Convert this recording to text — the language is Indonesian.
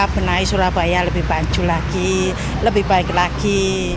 benahi surabaya lebih maju lagi lebih baik lagi